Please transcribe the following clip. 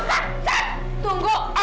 sat tunggu sat sat